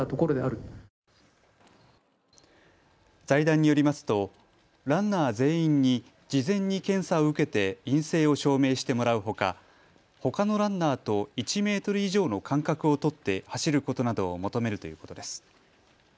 財団によりますとランナー全員に事前に検査を受けて陰性を証明してもらうほかほかのランナーと１メートル以上の間隔を取って走ることなどを求めるということです。